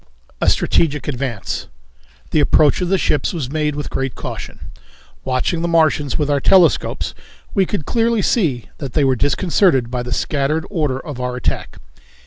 A Strategic Advance. The approach of the ships was made with great caution. Watching the Martians with our telescopes we could clearly see that they were disconcerted by the scattered order of our attack.